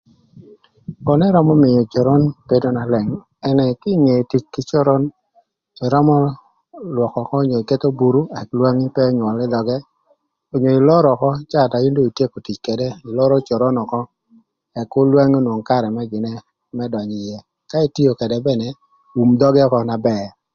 Onu ërömö mïö coron bedo na leng ënë kinge tic kï coron ïrömö lwökö ökö onyo iketho buru ëk lwangi kür önywöl ï lakë onyo iloro ökö caa ökënë ityeko tic këdë iloro coron ökö ëk kür lwangi onwong karë më dönyö ïë ka tio këdë bene um dhögë ökö na bër